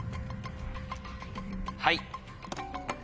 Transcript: はい。